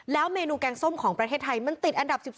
เมนูแกงส้มของประเทศไทยมันติดอันดับ๑๒